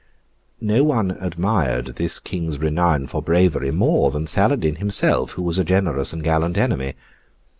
No one admired this King's renown for bravery more than Saladin himself, who was a generous and gallant enemy.